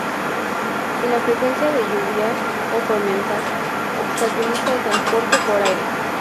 Y la frecuencia de lluvias o tormentas obstaculiza el transporte por aire.